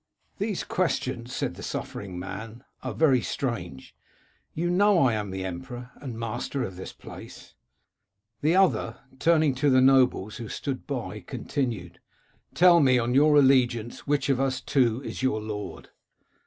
'"* These questions,' said the suffering man, * are very strange. You know I am the emperor, and master of this place.' " The other, turning to the nobles who stood by, continued, * Tell me, on your allegiance, which of us two is your lord